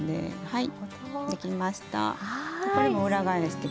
はい。